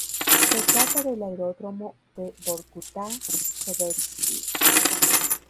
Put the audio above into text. Se trata del aeródromo de Vorkutá-Sovetskiy.